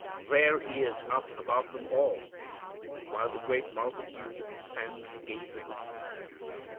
There He is up above them all, while the great multitude stands gazing.